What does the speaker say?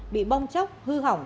bị bong chóc hư hỏng